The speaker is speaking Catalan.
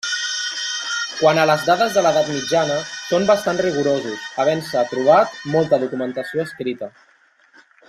Quant a les dades de l'Edat Mitjana són bastant rigorosos, havent-se trobat molta documentació escrita.